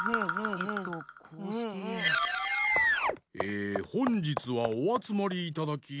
えほんじつはおあつまりいただき。